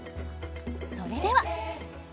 それでは。